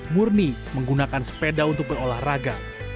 murni menggunakan sepeda untuk berolahraga